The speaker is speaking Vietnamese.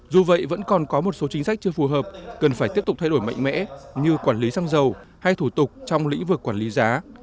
dù vậy vẫn còn có một số chính sách chưa phù hợp cần phải tiếp tục thay đổi mạnh mẽ như quản lý xăng dầu hay thủ tục trong lĩnh vực quản lý giá